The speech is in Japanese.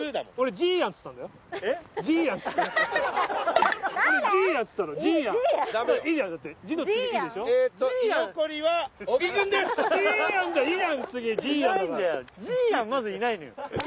じーやんまずいないのよ。